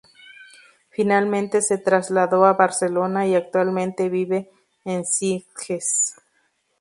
Finalmente se trasladó a Barcelona y actualmente vive en Sitges.